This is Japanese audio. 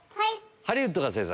ハリウッドが製作